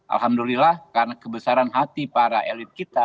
alhamdulillah karena kebesaran hati para elit kita